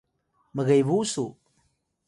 mgebu su